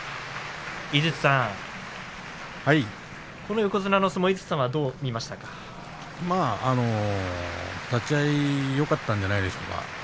井筒さんこの横綱の相撲、井筒さんは立ち合いよかったんじゃないでしょうか。